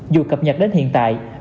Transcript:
dù cập nhật đến hiện tại